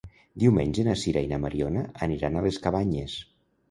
Diumenge na Sira i na Mariona aniran a les Cabanyes.